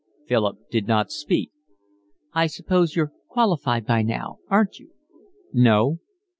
Philip did not speak. "I suppose you're qualified by now, aren't you?" "No."